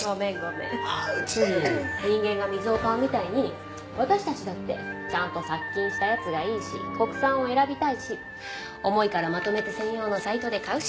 人間が水を買うみたいに私たちだってちゃんと殺菌したやつがいいし国産を選びたいし重いからまとめて専用のサイトで買うし。